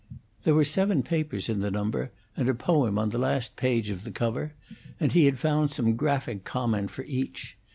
There were seven papers in the number, and a poem on the last page of the cover, and he had found some graphic comment for each.